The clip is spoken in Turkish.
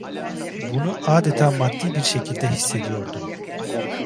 Bunu adeta maddi bir şekilde hissediyordum.